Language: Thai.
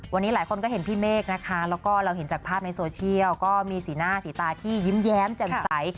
วันนี้หลายคนก็เห็นพี่เมฆนะคะแล้วก็เราเห็นจากภาพในโซเชียลก็มีสีหน้าสีตาที่ยิ้มแย้มแจ่มใส